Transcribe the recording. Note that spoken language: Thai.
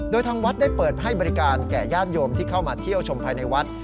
โดยทางวัดได้เปิดให้บริการแก่ญาติโยมที่เข้ามาเที่ยวชมภายในวัด